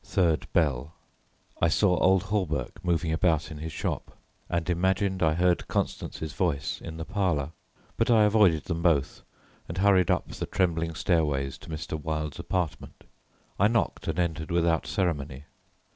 Third Bell. I saw old Hawberk moving about in his shop, and imagined I heard Constance's voice in the parlour; but I avoided them both and hurried up the trembling stairways to Mr. Wilde's apartment. I knocked and entered without ceremony.